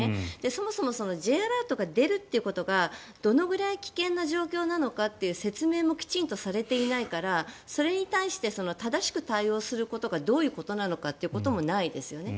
そもそもＪアラートが出るということがどのぐらい危険な状況なのかという説明もきちんとされていないからそれに対して正しく対応することがどういうことなのかということもないですよね。